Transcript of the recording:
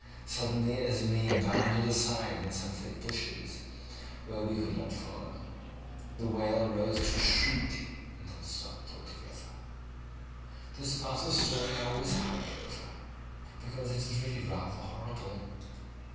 Suddenly Esmé bounded aside into some thick bushes, where we could not follow; the wail rose to a shriek and then stopped altogether. This part of the story I always hurry over, because it is really rather horrible.